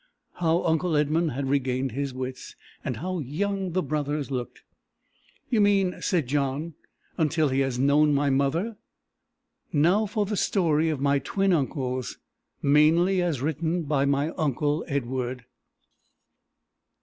How uncle Edmund had regained his wits! And how young the brothers looked! "You mean," said John, "until he has known my mother!" Now for the story of my twin uncles, mainly as written by my uncle Edward!